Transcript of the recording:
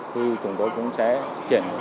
thì chúng tôi cũng sẽ triển khai